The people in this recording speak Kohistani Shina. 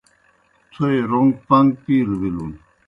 تھوئے روݩگ پَن٘گ پِیلوْ بِلُن۔